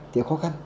thì khó khăn